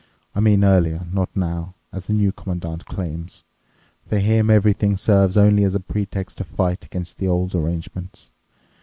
I mean earlier, not now, as the New Commandant claims. For him everything serves only as a pretext to fight against the old arrangements.